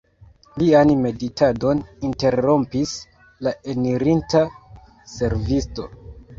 Lian meditadon interrompis la enirinta servisto.